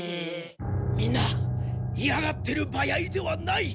みんないやがっているバヤイではない！